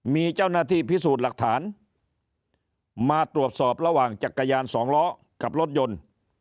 มีเจ้าหน้าที่พิสูจน์หลักฐานมาตรวจสอบระหว่างจักรยานสองล้อกับรถยนต์